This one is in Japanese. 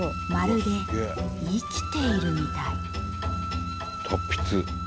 まるで生きているみたい！達筆！